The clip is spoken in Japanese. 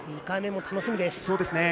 ２回目も楽しみです。